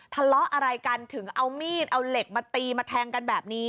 ทะเลาะอะไรกันถึงเอามีดเอาเหล็กมาตีมาแทงกันแบบนี้